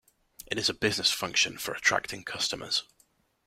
It is a business function for attracting customers.